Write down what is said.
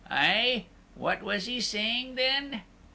Aih? What was he saying then?"